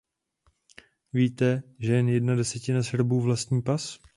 Víte, že jen jedna desetina Srbů vlastní pas?